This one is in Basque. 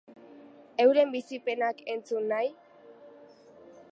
Euren bizipenak entzun nahi?